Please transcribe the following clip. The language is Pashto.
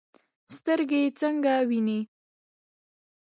سترګې څنګه ویني؟